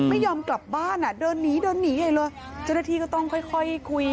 ไม่ยอมกลับบ้านอ่ะเดินหนีเดินหนีใหญ่เลยเจ้าหน้าที่ก็ต้องค่อยค่อยคุย